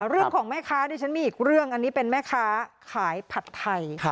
แม่ค้าดิฉันมีอีกเรื่องอันนี้เป็นแม่ค้าขายผัดไทย